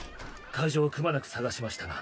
会場をくまなく捜しましたが